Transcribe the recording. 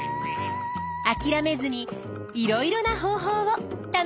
あきらめずにいろいろな方法を試してみてね。